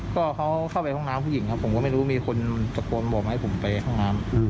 ก็เขาเข้าไปห้องน้ำผู้หญิงครับผมก็ไม่รู้มีคนตะโกนบอกให้ผมไปห้องน้ำ